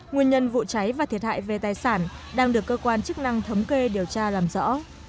nguyên nhân vụ cháy và thiệt hại về tài sản đang được cơ quan chức năng thống kê điều tra làm rõ